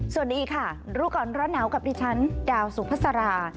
สวัสดีค่ะรู้ก่อนร้อนหนาวกับดิฉันดาวสุภาษารา